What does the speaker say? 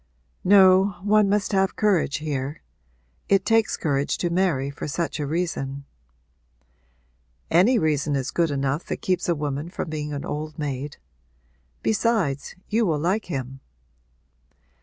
'No, one must have courage here. It takes courage to marry for such a reason.' 'Any reason is good enough that keeps a woman from being an old maid. Besides, you will like him.'